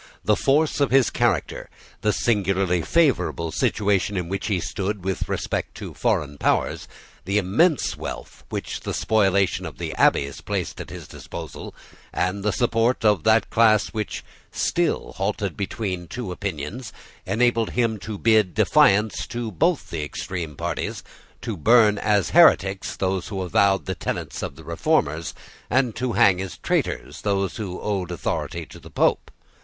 The force of his character, the singularly favourable situation in which he stood with respect to foreign powers, the immense wealth which the spoliation of the abbeys placed at his disposal, and the support of that class which still halted between two Opinions, enabled him to bid defiance to both the extreme parties, to burn as heretics those who avowed the tenets of the Reformers, and to hang as traitors those who owned the authority of the Pope.